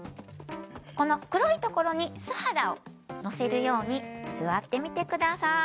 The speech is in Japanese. この黒いところに素肌をのせるように座ってみてください